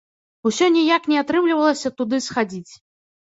Усё ніяк не атрымлівалася туды схадзіць.